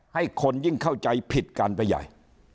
ให้คนยิ่งเข้าใจผิดกันไปใหญ่